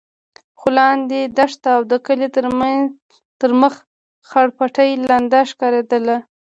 خو لاندې دښته او د کلي تر مخ خړ پټي لانده ښکارېدل.